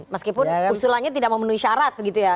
meskipun usulannya tidak mau menuhi syarat gitu ya